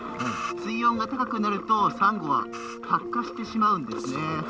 水温が高くなるとサンゴは白化してしまうんですね。